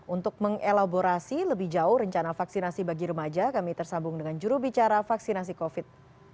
untuk mengelaborasi lebih jauh rencana vaksinasi bagi remaja kami tersambung dengan jurubicara vaksinasi covid